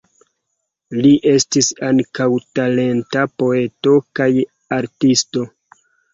Li estis ankaŭ talenta poeto kaj artisto.